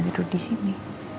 untuk duduk di sini